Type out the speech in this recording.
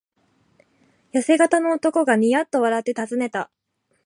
やせ型の男がニヤッと笑ってたずねた。